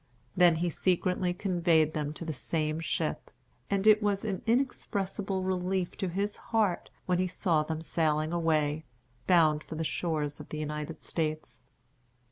Then he secretly conveyed them to the same ship; and it was an inexpressible relief to his heart when he saw them sailing away, bound for the shores of the United States.